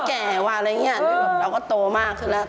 แก่ว่ะอะไรอย่างนี้เราก็โตมากขึ้นแล้ว